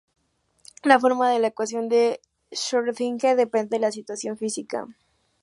La forma de la ecuación de Schrödinger depende de la situación física.